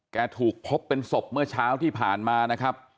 ถูกพบเป็นศพเมื่อเช้าที่ผ่านมานะครับ